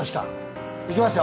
いきますよ！